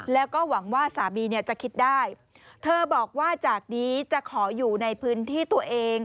แล้วก็หวังว่าสามีเนี่ยจะคิดได้เธอบอกว่าจากนี้จะขออยู่ในพื้นที่ตัวเอง